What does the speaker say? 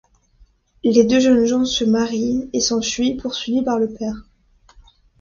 Les deux jeunes gens se marient et s'enfuient, poursuivis par le père.